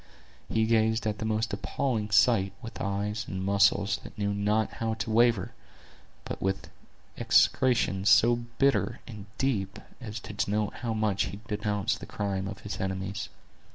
He gazed at the most appalling sight with eyes and muscles that knew not how to waver, but with execrations so bitter and deep as to denote how much he denounced the crime of his enemies.